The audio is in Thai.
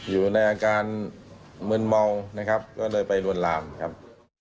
อยู่ในอาการมึนเมานะครับก็เลยไปลวนลามครับ